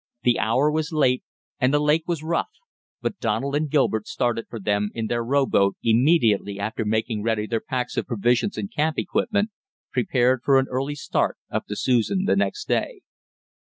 The hour was late and the lake was rough, but Donald and Gilbert started for them in their rowboat immediately after making ready their packs of provisions and camp equipment, prepared for an early start up the Susan the next day.